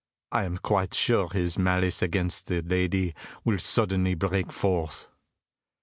I am quite sure his malice against the lady will suddenly break forth."